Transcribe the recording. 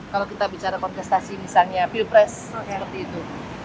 kalau kita bicara kontestasi misalnya pilpres seperti itu